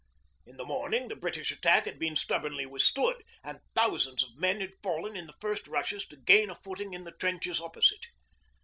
In the morning the British attack had been stubbornly withstood, and thousands of men had fallen in the first rushes to gain a footing in the trenches opposite.